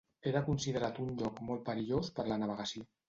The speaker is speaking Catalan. Era considerat un lloc molt perillós per la navegació.